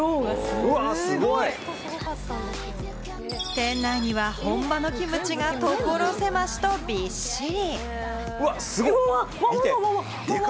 店内には本場のキムチがところせましと、びっしり！